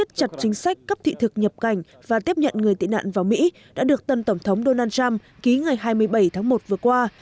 xác lệnh hành chính sách cấp thị thực nhập cẩn và tiếp nhận người tị nạn vào mỹ đã được tân tổng thống donald trump ký ngày hai mươi bảy tháng một vừa qua